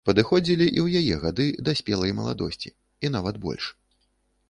Падыходзілі і ў яе гады да спелай маладосці, і нават больш.